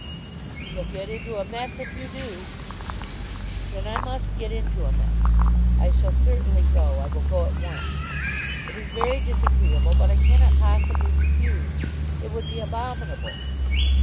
"You'll get into a mess if you do." "Then I must get into a mess. I shall certainly go. I will go at once. It is very disagreeable, but I cannot possibly refuse. It would be abominable."